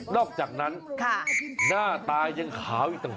อกจากนั้นหน้าตายังขาวอีกต่าง